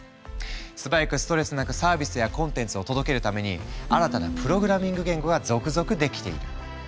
素早くストレスなくサービスやコンテンツを届けるために新たなプログラミング言語が続々出来ている。